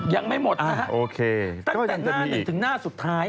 ยังไม่หมดนะฮะโอเคตั้งแต่หน้าหนึ่งถึงหน้าสุดท้าย